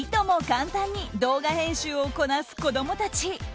簡単に動画編集をこなす子供たち。